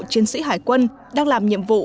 chiến sĩ hải quân đang làm nhiệm vụ